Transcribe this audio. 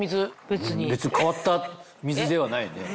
別に変わった水ではないよね。